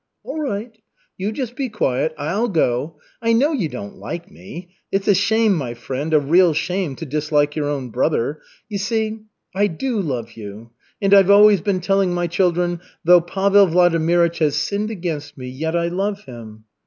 "All right, you just be quiet, I'll go. I know you don't like me. It's a shame, my friend, a real shame, to dislike your own brother. You see, I do love you. And I've always been telling my children, 'Though Pavel Vladimirych has sinned against me, yet I love him.'